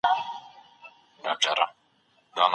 مور او پلار بايد په کور کي ښه اړيکي ولري.